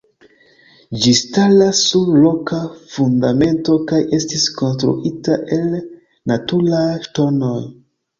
Ĝi staras sur roka fundamento kaj estis konstruita el naturaj ŝtonoj.